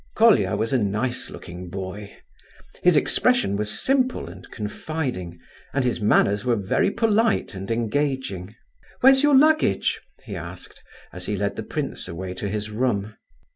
Colia was a nice looking boy. His expression was simple and confiding, and his manners were very polite and engaging. "Where's your luggage?" he asked, as he led the prince away to his room.